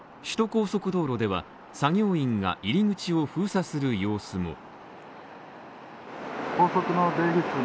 首都高速道路では、作業員が入り口を封鎖する様子も。